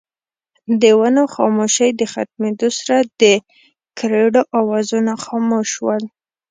د ونو خاموشۍ د ختمېدو سره دکيرړو اوازونه خاموش شول